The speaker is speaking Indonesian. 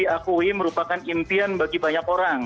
diakui merupakan impian bagi banyak orang